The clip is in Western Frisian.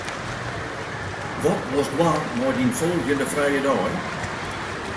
Wat wolst dwaan mei dyn folgjende frije dei?